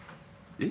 えっ？